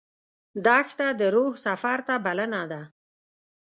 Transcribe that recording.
دښته د روح سفر ته بلنه ده.